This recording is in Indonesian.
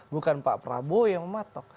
bukan pak prabowo yang mematok